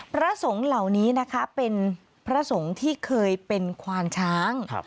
พระสงฆ์เหล่านี้นะคะเป็นพระสงฆ์ที่เคยเป็นควานช้าง